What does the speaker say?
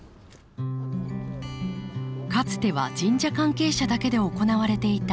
かつては神社関係者だけで行われていた観察神事。